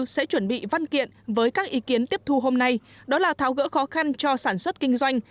sẽ chuẩn bị văn kiện với các ý kiến tiếp thu hôm nay đó là tháo gỡ khó khăn cho sản xuất kinh doanh